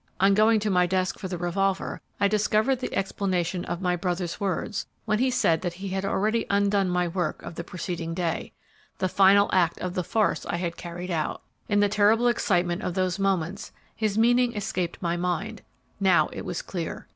On going to my desk for the revolver, I discovered the explanation of my brother's words when he said that he had already undone my work of the preceding day, the final act of the farce I had carried out. In the terrible excitement of those moments his meaning escaped my mind; now it was clear.